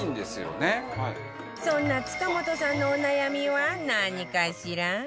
そんな塚本さんのお悩みは何かしら？